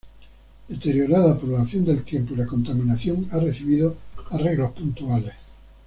Deteriorada por la acción del tiempo y la contaminación, ha recibido arreglos puntuales.